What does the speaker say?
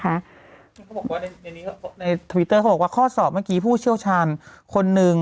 เขาบอกว่าในทวิตเตอร์เขาบอกว่าข้อสอบเมื่อกี้ผู้เชี่ยวชาญคนหนึ่ง